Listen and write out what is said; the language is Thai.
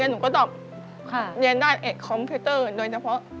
แล้วหนูก็ตอบเรียนราชเอกคอมพิวเตอร์โดยเฉพาะ